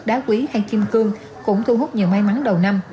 đá quý hay kim cương cũng thu hút nhiều may mắn đầu năm